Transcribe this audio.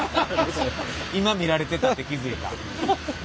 今見られてたって気付いた。